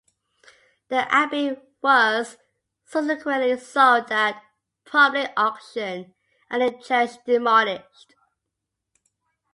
The abbey was subsequently sold at public auction and the church demolished.